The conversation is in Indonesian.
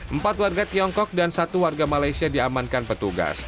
empat warga tiongkok dan satu warga malaysia diamankan petugas